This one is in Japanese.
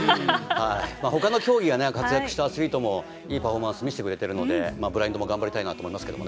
ほかの競技で活躍したアスリートもいいパフォーマンスを見せてくれているのでブラインドも頑張ってほしいと思います。